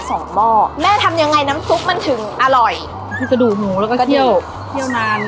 หม้อแม่ทำยังไงน้ำซุปมันถึงอร่อยคือกระดูกหมูแล้วก็เที่ยวเที่ยวนาน